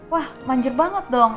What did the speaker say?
wah manjer banget dong